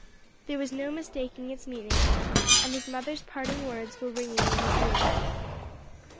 There was no mistaking its meaning; and his mother's parting words were ringing in his ears.